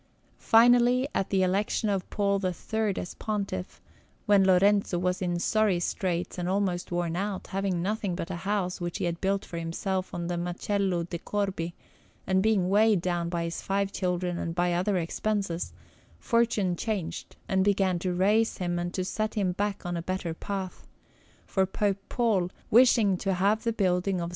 Finally, at the election of Paul III as Pontiff, when Lorenzo was in sorry straits and almost worn out, having nothing but a house which he had built for himself in the Macello de' Corbi, and being weighed down by his five children and by other expenses, Fortune changed and began to raise him and to set him back on a better path; for Pope Paul wishing to have the building of S.